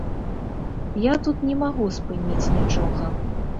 Я тут не магу спыніць нічога.